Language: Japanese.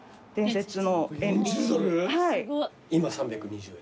今３２０円。